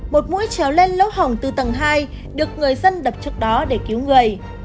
một mũi trèo lên lỗ hỏng từ tầng hai được người dân đập trước đó để cứu người